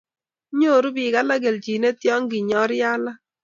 nyoru biik alak keljinet ya kinyorio alak